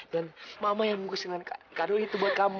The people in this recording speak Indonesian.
dan mama yang bungkusin kado itu buat kamu